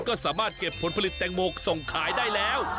ก็สามารถเก็บผลผลิตแตงโมส่งขายได้แล้ว